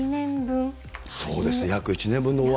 そうですね、約１年分の大雨。